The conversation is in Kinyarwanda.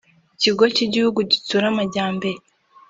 Ikigo cy’ igihugu gitsura amajyambere